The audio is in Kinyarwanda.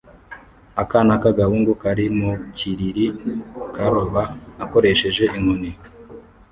Akana k'agahungu kari mu kiriri karoba akoresheje inkoni